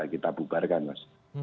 kita bubarkan mas